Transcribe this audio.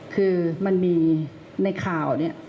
คือมันมีในข่าวเนี่ย